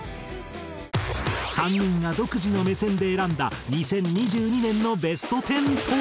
３人が独自の目線で選んだ２０２２年のベスト１０とは？